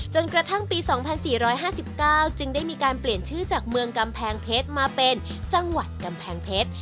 จนกระทั่งปี๒๔๕๙จึงได้มีการเปลี่ยนชื่อจากเมืองกำแพงเพชรมาเป็นจังหวัดกำแพงเพชร